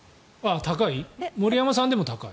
森山さんでも高い？